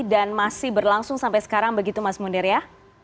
dan masih berlangsung sampai sekarang begitu mas munir ya